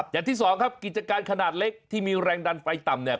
อย่างที่สองครับกิจการขนาดเล็กที่มีแรงดันไฟต่ำเนี่ย